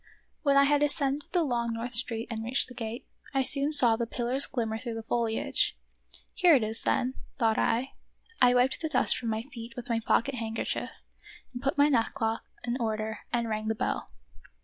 When I had ascended the long North Street and reached the gate, I soon saw the pillars glimmer through the foliage. " Here it is then," thought I. I wiped the dust from my feet with my pocket handkerchief, put my neckcloth in order, and rang the bell.